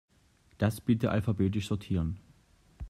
Das bitte alphabetisch sortieren.